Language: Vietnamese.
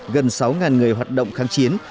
gần sáu người hoạt động kháng chiến